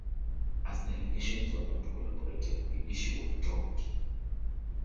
As the allegations were not corroborated, the issue was dropped.